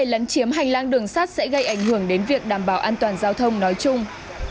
lấn chiếm hành lang đường sắt sẽ gây ảnh hưởng đến việc đảm bảo an toàn giao thông nói chung